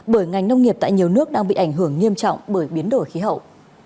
bởi ngành nông nghiệp tại nhiều nước đang bị ảnh hưởng nghiêm trọng bởi biến đổi khí hậu